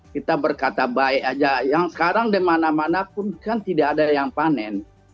kita berkata baik aja yang sekarang dimana mana pun kan tidak ada yang panen